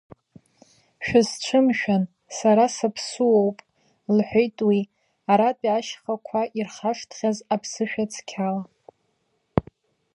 Шәысцәымшәан, сара саԥсуоуп, — лҳәеит уи, аратәи ашьхақәа ирхашҭхьаз аԥсышәа цқьала.